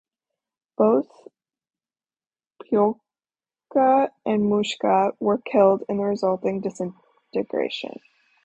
Both Pchyolka and Mushka were killed in the resulting disintegration.